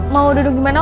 mau duduk gimana om